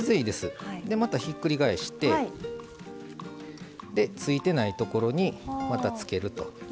またひっくり返してついてないところにまたつけると。